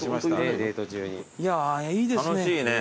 いやーいいですね。